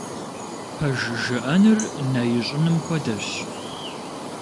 Пэж жыӀэныр нэ ищӀыным хуэдэщ.